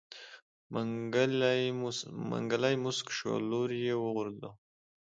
منګلی موسکی شو لور يې وغورځوه.